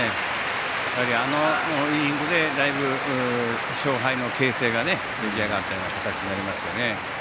あのイニングでだいぶ勝敗の形勢が出来上がったような形になりますよね。